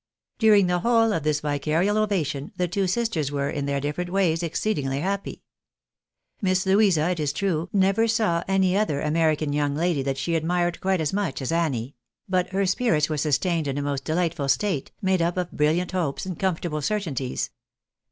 During the whole of this vicarial ovation, the two sisters were, in their different ways, exceedingly happy. Miss Louisa, it is true, never saw any other American young lady that she admired quite as much as Annie ; but her spirits were sustained in a most delightful state, made up of brilliant hopes and comfortable cer tainties.